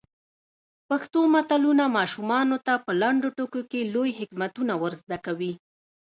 پښتو متلونه ماشومانو ته په لنډو ټکو کې لوی حکمتونه ور زده کوي.